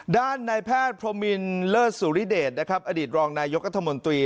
ด้านนายแพทย์โพรมินเลอสุริเดชอดีตรองนายกัธมนตรี